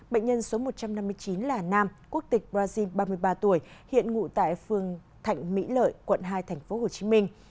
bệnh nhân số một trăm năm mươi chín là nam quốc tịch brazil ba mươi ba tuổi hiện ngụ tại phường thạnh mỹ lợi quận hai thành phố hồ chí minh